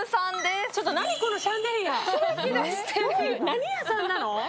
何屋さんなの？